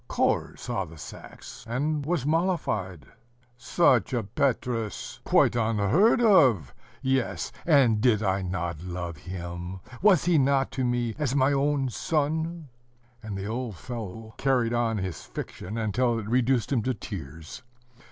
Korzh saw the sacks, and was mollified. "Such a Petrus, quite unheard of! yes, and did I not love him? Was he not to me as my own son?" And the old fellow carried on his fiction until it reduced him to tears.